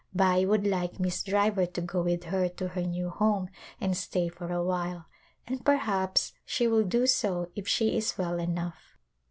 Bai would like Miss Driver to go with her to her new home and stay for a while and perhaps she will do so if she is well enough.